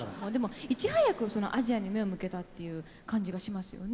いち早くアジアに目を向けたっていう感じがしますよね。